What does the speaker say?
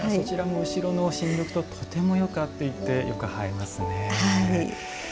後ろの新緑ととてもよく合っていてよく映えますね。